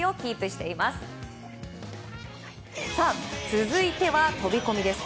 続いては飛込です。